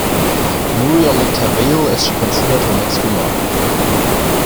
Muriel licked her veil as she considered her next remark.